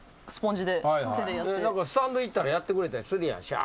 何かスタンド行ったらやってくれたりするやんシャーッて。